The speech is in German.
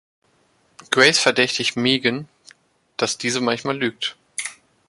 Grace verdächtigt Megan, dass diese manchmal lügt.